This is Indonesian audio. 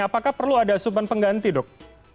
apakah perlu ada asupan pengganti dok